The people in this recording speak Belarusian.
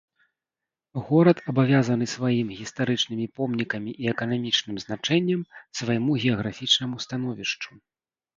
Горад абавязаны сваім гістарычнымі помнікамі і эканамічным значэннем свайму геаграфічнаму становішчу.